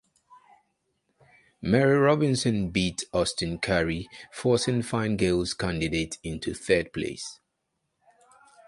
Mary Robinson beat Austin Currie, forcing Fine Gael's candidate into third place.